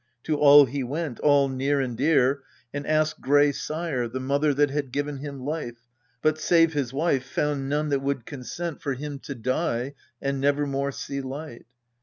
To all he went all near and dear and asked Gray sire, the mother that had given him life ; But, save his wife, found none that would consent For him to die and never more see light.